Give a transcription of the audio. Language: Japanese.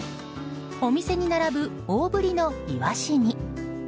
お店に並ぶ大ぶりのイワシに。